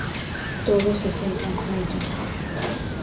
Todos se sientan juntos.